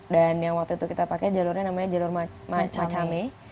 dan yang waktu itu kita pakai jalurnya namanya jalur macame